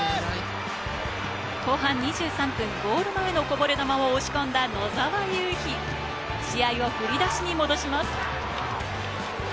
後半２３分、ゴール前のこぼれ球を押し込んだ野澤勇飛、試合を振り出しに戻します。